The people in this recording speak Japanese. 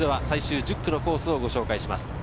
最終１０区のコースをご紹介します。